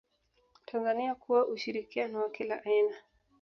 tanzania kuna ushirikiano wa kila aina